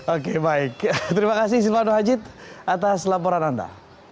oke baik terima kasih silvano hajid atas laporan anda